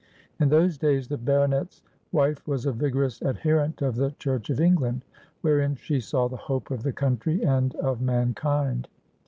In those days the baronet's wife was a vigorous adherent of the Church of England, wherein she saw the hope of the country and of mankind.